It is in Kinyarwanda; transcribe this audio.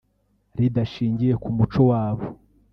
ridashingiye ku muco wabo